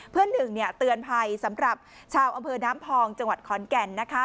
หนึ่งเตือนภัยสำหรับชาวอำเภอน้ำพองจังหวัดขอนแก่น